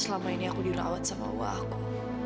selama ini aku dirawat sama wakku